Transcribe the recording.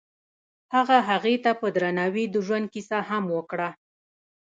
هغه هغې ته په درناوي د ژوند کیسه هم وکړه.